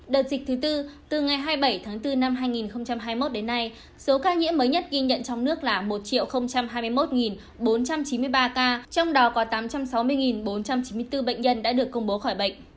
đợt dịch thứ tư từ ngày hai mươi bảy tháng bốn năm hai nghìn hai mươi một đến nay số ca nhiễm mới nhất ghi nhận trong nước là một hai mươi một bốn trăm chín mươi ba ca trong đó có tám trăm sáu mươi bốn trăm chín mươi bốn bệnh nhân đã được công bố khỏi bệnh